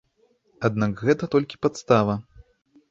Аднак гэта толькі падстава.